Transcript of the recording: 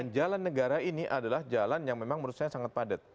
jalan negara ini adalah jalan yang memang menurut saya sangat padat